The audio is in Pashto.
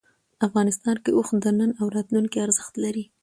افغانستان کې اوښ د نن او راتلونکي ارزښت لري.